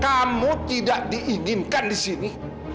kamu tidak diizinkan di sini